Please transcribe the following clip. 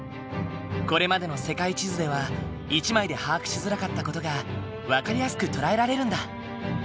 これまでの世界地図では１枚で把握しづらかった事が分かりやすく捉えられるんだ。